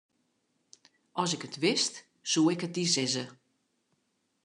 As ik it wist, soe ik it dy sizze.